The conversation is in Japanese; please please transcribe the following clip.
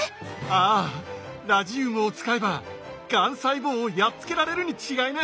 ああラジウムを使えばがん細胞をやっつけられるに違いない！